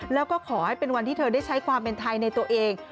แล้วก็ขอให้เป็นวันที่เธอได้ใช้ความเป็นไทยในตัวเอง